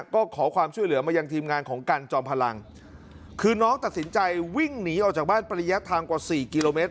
ก็ขอความช่วยเหลือมายังทีมงานของกันจอมพลังคือน้องตัดสินใจวิ่งหนีออกจากบ้านปริยะทางกว่าสี่กิโลเมตร